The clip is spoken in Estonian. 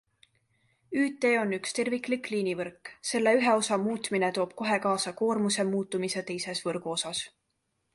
ÜT on üks terviklik liinivõrk, selle ühe osa muutmine toob kohe kaasa koormuse muutumise teises võrgu osas.